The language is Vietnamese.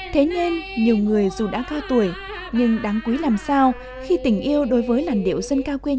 thế nên nhiều người dù đã cao tuổi nhưng đáng quý làm sao khi tình yêu đối với lành đất